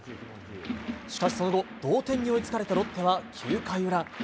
しかしその後、同点に追いつかれたロッテは９回裏。